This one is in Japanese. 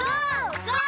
ゴー！